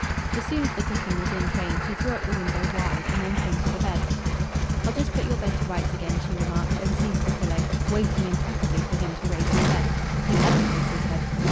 As soon as the cooking was in train, she threw up the window wide and then came to the bed. "I'll just put your bed to rights again," she remarked, and seized the pillow, waiting implacably for him to raise his head. He had to raise his head.